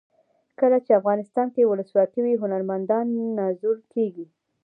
کله چې افغانستان کې ولسواکي وي هنرمندان نازول کیږي.